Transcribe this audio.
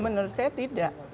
menurut saya tidak